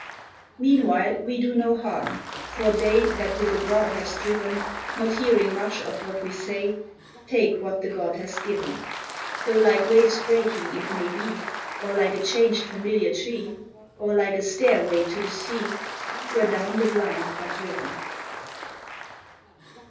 Meanwhile we do no harm; for they That with a god have striven, Not hearing much of what we say, Take what the god has given; Though like waves breaking it may be, Or like a changed familiar tree, Or like a stairway to the sea Where down the blind are driven.